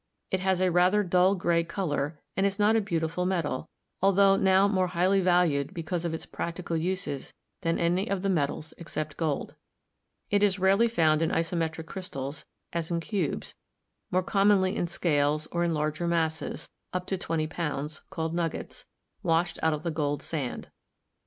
It has a rather dull gray color, and is not a beautiful metal, altho now more highly valued because of its practical uses than any of the metals except gold. It is rarely found in isometric crystals, as in cubes, more commonly in scales or in larger masses (up to twenty pounds) called nuggets, washed out of the gold sand.